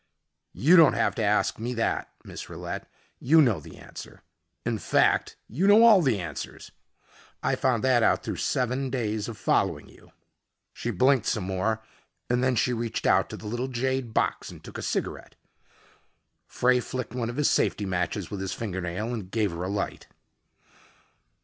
"You don't have to ask me that, Miss Rillette. You know the answer. In fact, you know all the answers. I found that out through seven days of following you." She blinked some more and then she reached out to the little jade box and took a cigarette. Frey flicked one of his safety matches with his fingernail and gave her a light.